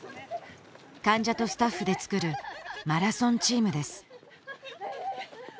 患者とスタッフでつくるマラソンチームですええー